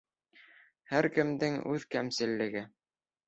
Һәр кемдең үҙ кәмселеге.